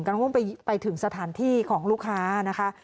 ก็ต้องไปถึงสถานที่ของลูกค้านะคะ